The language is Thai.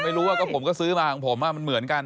ไม่รู้ว่าก็ผมก็ซื้อมาของผมมันเหมือนกัน